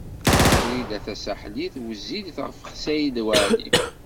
Wrida Tasaḥlit wezzilet ɣef Saɛid Waɛli.